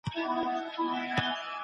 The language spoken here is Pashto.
ستړیا د بدن د استراحت غوښتنه ده.